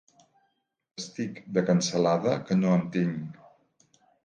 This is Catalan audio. Estic, de cansalada, que no em tinc.